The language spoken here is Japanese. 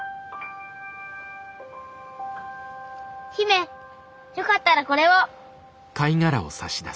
姫よかったらこれを。